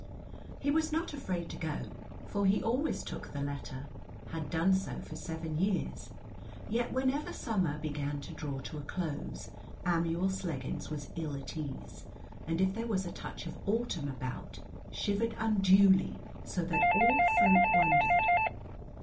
He was not afraid to go, for he always took the letter, had done so for seven years, yet whenever summer began to draw to a close, Amuel Sleggins was ill at ease, and if there was a touch of autumn about shivered unduly so that all folk wondered.